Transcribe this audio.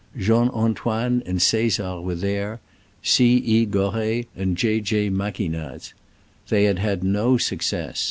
Jean Antoine and Caesar were there, C. E. Gorret and J. J. Maquignaz. They had had no success.